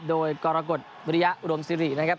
โดยกรกฎวิริยารมณ์ซีรีส์นะครับ